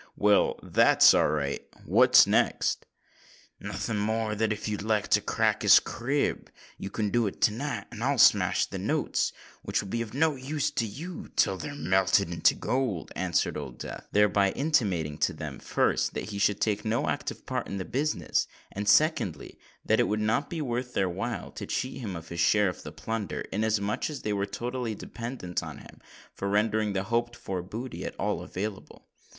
"Well—that's all right. What next?" "Nothing more than that if you like to crack that crib, you can do it to night; and I'll smash the notes, which will be of no use to you till they're melted into gold," answered Old Death; thereby intimating to them, first that he should take no active part in the business, and secondly that it would not be worth their while to cheat him of his share of the plunder, inasmuch as they were totally dependent on him for rendering the hoped for booty at all available.